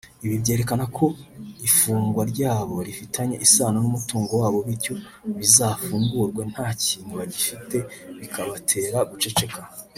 Ibi byerekana ko ifungwa ryabo rifitanye isano n’umutungo wabo bityo bazafungurwe nta kintu bagifite bikabatere guceceka